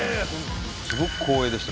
すごく光栄でした。